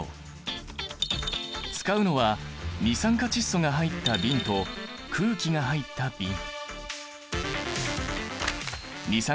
使うのは二酸化窒素が入った瓶と空気が入った瓶。